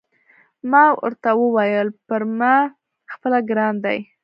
ما ورته وویل: پر ما خپله ګران دی.